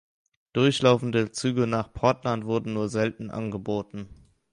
Durchlaufende Züge nach Portland wurden nur selten angeboten.